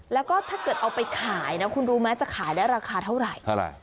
แล้วก็ถ้าเกิดเอาไปขายนะคุณรู้ไหมจะขายได้ราคาเท่าไหร่